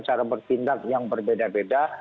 cara bertindak yang berbeda beda